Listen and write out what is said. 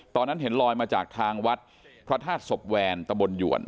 ตอนนั้นเห็นลอยมาจากทางวัดพระธาตุศพแวนตะบนหยวน